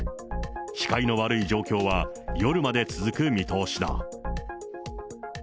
視界の悪い状況は夜まで続く見通しだ。